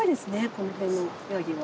この辺のヤギは。